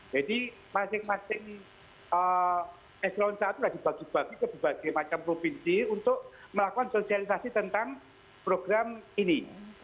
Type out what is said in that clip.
jadi masing masing ekstra unsur itu dibagi bagi ke berbagai macam provinsi untuk melakukan sosialisasi tentang program ini